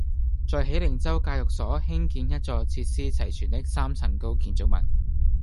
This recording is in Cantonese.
在喜靈州戒毒所興建一座設施齊全的三層高建築物